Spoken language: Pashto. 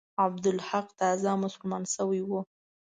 عبدالحق تازه مسلمان شوی وو.